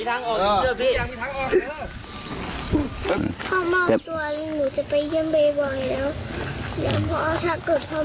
เดี๋ยวพ่อชักเกิดพ่อไม่มีใครแต่พ่อไปยังมียาก